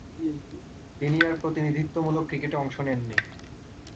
তিনি আর প্রতিনিধিত্বমূলক ক্রিকেটে অংশ নেননি।